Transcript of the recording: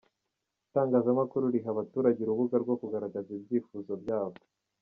Itangazamakuru riha abaturage urubuga rwo kugaragaza ibyifuzo byabo